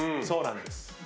そうなんです。